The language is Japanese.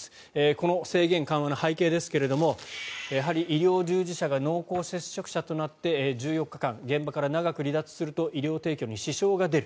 この制限緩和の背景ですけどやはり医療従事者が濃厚接触者となって１４日間現場から長く離脱すると医療提供に支障が出る。